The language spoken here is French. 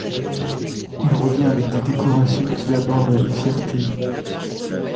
Il revient avec des décorations qu'il arbore avec fierté.